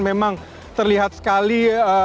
memang terlihat sekali